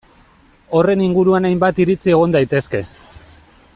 Horren inguruan hainbat iritzi egon daitezke.